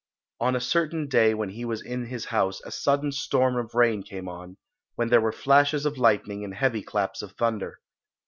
On a certain day when he was in his house a sudden storm of rain came on, when there were flashes of lightning and heavy claps of thunder.